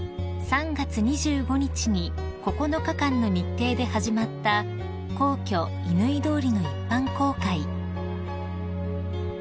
［３月２５日に９日間の日程で始まった皇居乾通りの一般公開］